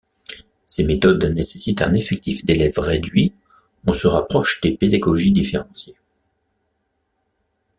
Ces méthodes nécessitent un effectif d’élèves réduit, on se rapproche des pédagogies différenciées.